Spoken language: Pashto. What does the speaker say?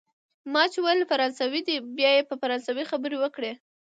ما چي ویل فرانسوی دی، بیا یې په فرانسوي خبرې وکړې.